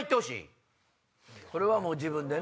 それはもう自分でね。